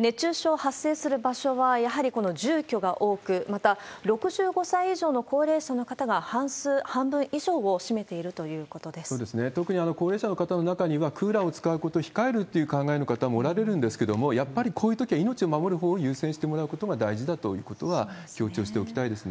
熱中症発症する場所は、やはりこの住居が多く、また６５歳以上の高齢者の方が半分以上を占めているということで特に高齢者の方の中には、クーラーを使うこと控えるっていう考えの方もおられるんですけれども、やっぱりこういうときは命を守るほうを優先してもらうことが大事だということは強調しておきたいですね。